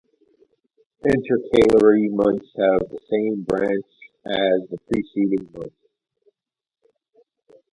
Intercalary months have the same branch as the preceding month.